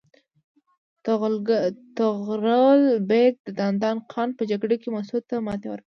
طغرل بیګ د دندان قان په جګړه کې مسعود ته ماتې ورکړه.